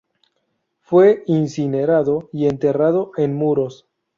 Fue incinerado y enterrado en Muros.